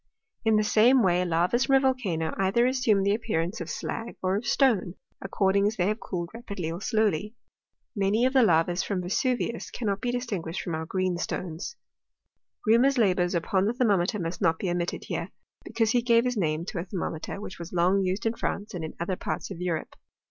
In the same way lavas from a volcano either assume the appearance of fe]a;r or of stone, according as they have cooled ra pidly or slowly. Many of the lavas from Vesuvius cannot be distinjruished from our greenstones. ilc'aiirnur*8 labours upon the thermometer must not be omitted hr^e ; because he gave his name to a ther« moincter, which was long used in France and in other parts of Kurope.